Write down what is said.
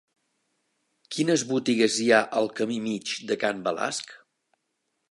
Quines botigues hi ha al camí Mig de Can Balasc?